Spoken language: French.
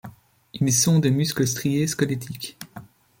Ils sont des muscles striés squelettiques.